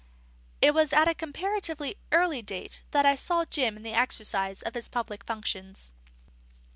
It was at a comparatively early date that I saw Jim in the exercise of his public functions.